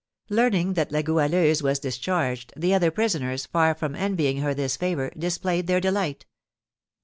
Learning that La Goualeuse was discharged, the other prisoners, far from envying her this favour, displayed their delight.